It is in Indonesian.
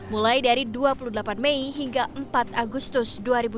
mulai dari dua puluh delapan mei hingga empat agustus dua ribu dua puluh